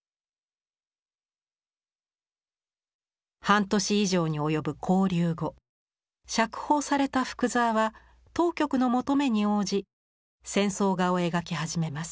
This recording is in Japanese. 半年以上に及ぶ勾留後釈放された福沢は当局の求めに応じ戦争画を描き始めます。